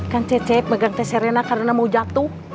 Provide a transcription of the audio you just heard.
kan cecep megang t serena karena mau jatuh